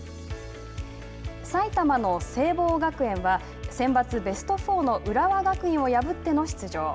埼玉の聖望学園はセンバツベスト４の浦和学院を破っての出場。